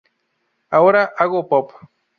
Ahora hago pop.